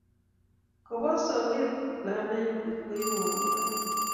Kawo soget kamennyu ipkoibwon logoek